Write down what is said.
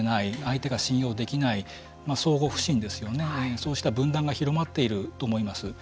そうした分断が広まっていると思います。